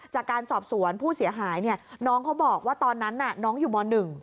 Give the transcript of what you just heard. จากการสอบสวนผู้เสียหายน้องเขาบอกว่าตอนนั้นน้องอยู่ม๑